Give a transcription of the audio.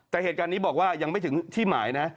แต่เหตุการณ์นี้บอกว่ายังไม่ถึงที่หมายนะ